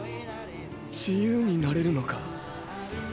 自由になれるのか？